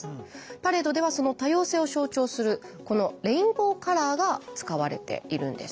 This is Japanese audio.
パレードではその多様性を象徴するこのレインボーカラーが使われているんです。